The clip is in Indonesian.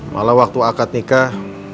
malah waktu akad nikah